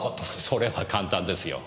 それは簡単ですよ。